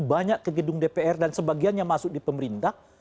banyak ke gedung dpr dan sebagiannya masuk di pemerintah